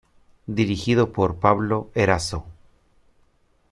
Dirigido por Pablo Erazo.